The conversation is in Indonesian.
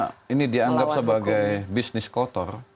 karena ini dianggap sebagai bisnis kotor